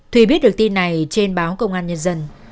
thùy biết được tin này trên báo công an nhân dân